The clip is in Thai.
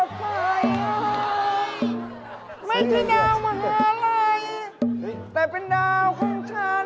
โอ้โฮเจ๋งเป็นตัวเองตัวจะเป็นดาวลูกไก่น่ะเจ๋ง